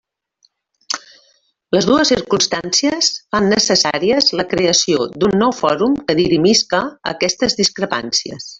Les dues circumstàncies fan necessària la creació d'un nou fòrum que dirimisca aquestes discrepàncies.